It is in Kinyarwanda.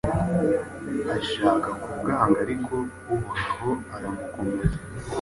ashaka ku bwanga ariko Uhoraho aramukomeza.